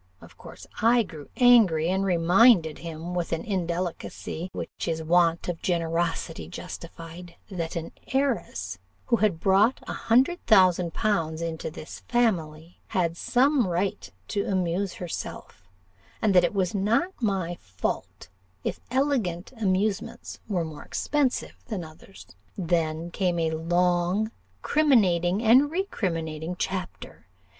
Of course I grew angry, and reminded him, with an indelicacy which his want of generosity justified, that an heiress, who had brought a hundred thousand pounds into his family, had some right to amuse herself, and that it was not my fault if elegant amusements were more expensive than others. "Then came a long criminating and recriminating chapter.